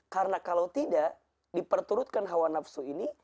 karena kalau tidak diperturutkan hawa nafsu ini